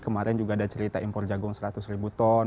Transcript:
kemarin juga ada cerita impor jagung seratus ribu ton